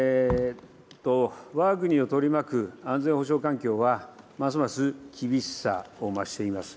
わが国を取り巻く安全保障環境は、ますます厳しさを増しています。